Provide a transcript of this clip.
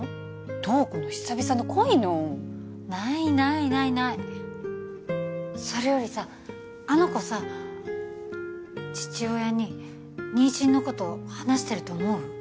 瞳子の久々の恋のないないないないそれよりさあの子さ父親に妊娠のこと話してると思う？